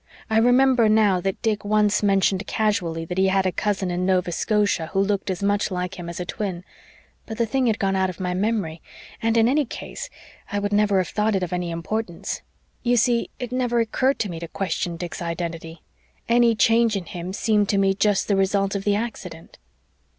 I remember now that Dick once mentioned casually that he had a cousin in Nova Scotia who looked as much like him as a twin; but the thing had gone out of my memory, and in any case I would never have thought it of any importance. You see, it never occurred to me to question Dick's identity. Any change in him seemed to me just the result of the accident.